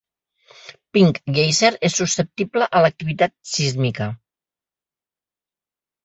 Pink Geyser és susceptible a l'activitat sísmica.